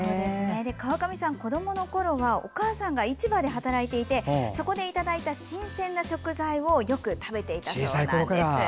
川上さん、子どものころはお母さんが市場で働いていてそこでいただいた新鮮な食材をよく食べていたそうなんです。